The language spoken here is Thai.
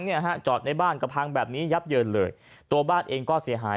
เนี่ยฮะจอดในบ้านก็พังแบบนี้ยับเยินเลยตัวบ้านเองก็เสียหาย